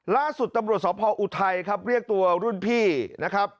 ล่าสุดตำรวจสพออุทัยครับเรียกตัวรุ่นพี่นะครับ